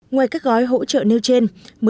ngoài các gói hỗ trợ nêu trên